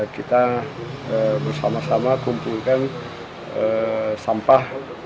kita bersama sama kumpulkan sampah